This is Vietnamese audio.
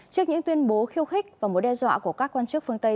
trước những tuyên bố khiêu khích và mối đe dọa của các quan chức phương tây